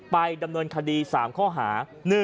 ไปดำเนินคดี๓ข้อหา